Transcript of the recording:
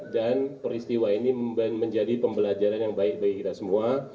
dan peristiwa ini menjadi pembelajaran yang baik bagi kita semua